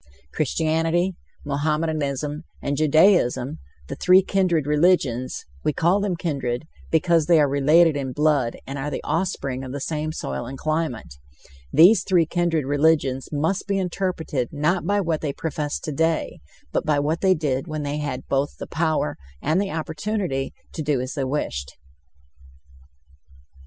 Christianity, Mohammedanism and Judaism, the three kindred religions we call them kindred because they are related in blood and are the offspring of the same soil and climate these three kindred religions must be interpreted not by what they profess today, but by what they did when they had both the power and the opportunity to do as they wished.